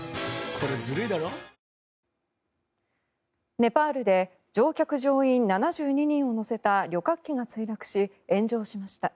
ネパールで乗客・乗員７２人を乗せた旅客機が墜落し、炎上しました。